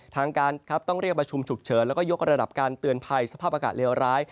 ทางการครับต้องเรียกประชุมฉุกเฉินแล้วก็ยกระดับการเตือนภัยสภาพอากาศเลวร้าย